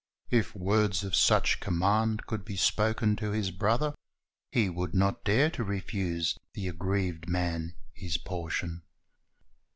If words of such command could be spoken to this brother, he would not dare to refuse the aggrieved man his portion.